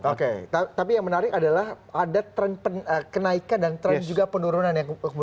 oke tapi yang menarik adalah ada tren kenaikan dan tren juga penurunan yang